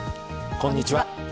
こんにちは。